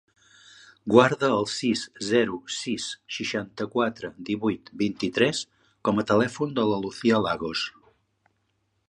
Guarda el sis, zero, sis, seixanta-quatre, divuit, vint-i-tres com a telèfon de la Lucía Lagos.